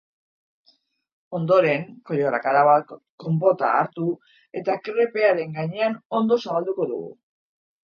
Ondoren, koilaradaka bat konpota hartu eta krepearen gainean ondo zabalduko dugu.